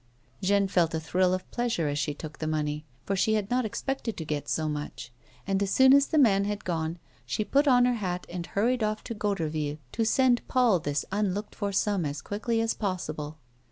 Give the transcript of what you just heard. Jeanne felt a thrill of pleasure as she took the money, for she had not expected to get so much, and as soon as the man had gone she put on her hat and hurried off to Goderville to send Paul this unlooked for sum as quickly as possible.